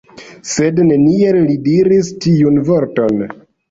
Sed neniel li diras tiun vorton!